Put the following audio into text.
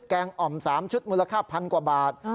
แกงอ่อม๓ชุดมูลค่าพันกว่าบาท